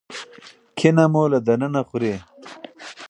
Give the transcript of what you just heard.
کینه مو له دننه خوري.